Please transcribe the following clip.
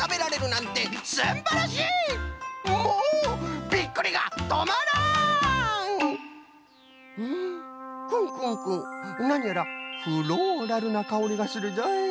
なにやらフローラルなかおりがするぞい。